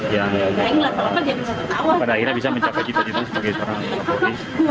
yang pada akhirnya bisa mencapai cita cita sebagai seorang teroris